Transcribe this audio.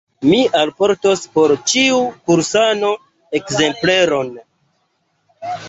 Mi alportos por ĉiu kursano ekzempleron.